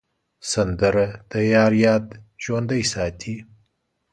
سندره د یار یاد ژوندی ساتي